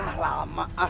ini udah lama ah